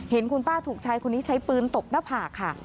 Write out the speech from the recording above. เห็นคุณป้าถูกชายคนนี้ใช้ปืนตบหน้าผากค่ะ